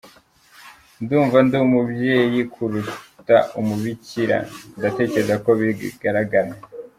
Ndumva ndi umubyeyi kuruta umubikira, ndatekereza ko bigaragara.